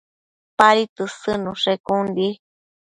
Padi tësëdnushe con di